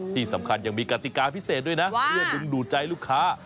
ที่สำคัญยังมีกติกาพิเศษด้วยนะเพื่อดึงดูดใจลูกค้า